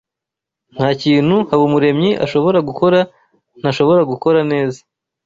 Ntakintu Habumuremyi ashobora gukora ntashobora gukora neza